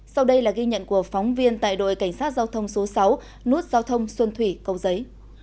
sau đây là ghi nhận của phóng viên tại đội cảnh sát giao thông số sáu nút giao thông xuân thủy cầu giấy